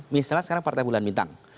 misalnya sekarang partai bulan bintang